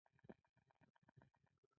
زه د راکټ انجن غږ خوښوم.